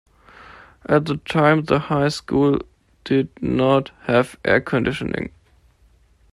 At the time the high school did not have air conditioning.